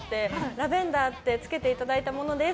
ラベンダーってつけていただいたものです。